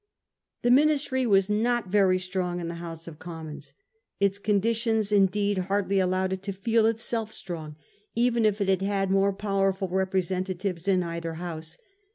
The Ministry was not very strong in the House of Commons. Its conditions indeed hardly allowed it to feel itself strong even if it had had more power ful representatives in either house.